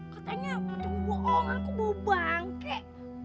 katanya buang buang aku bubangkit